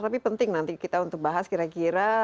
tapi penting nanti kita untuk bahas kira kira